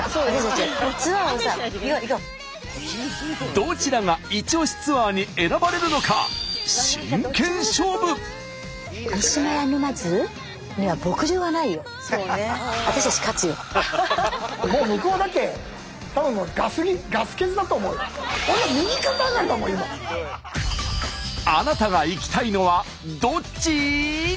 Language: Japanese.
どちらがイチオシツアーに選ばれるのかあなたが行きたいのはどっち？